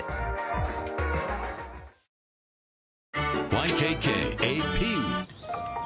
ＹＫＫＡＰ